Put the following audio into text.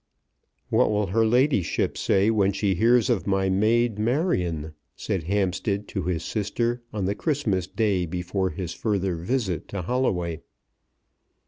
"What will her ladyship say when she hears of my maid Marion?" said Hampstead to his sister on the Christmas Day before his further visit to Holloway.